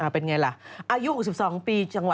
เป็นไงล่ะอายุ๖๒ปี